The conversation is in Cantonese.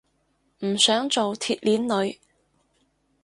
唔想做鐵鏈女